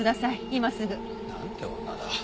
今すぐ。なんて女だ。